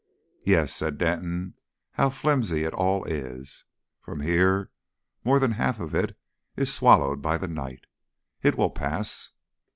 "Yes," said Denton. "How flimsy it all is! From here more than half of it is swallowed by the night.... It will pass."